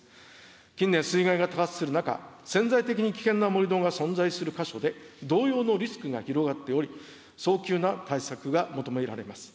近年、水害が多発する中、潜在的に危険な盛土が存在する箇所で同様のリスクが広がっており、早急な対策が求められます。